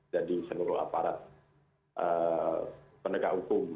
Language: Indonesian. jadi seluruh aparat pendekat hukum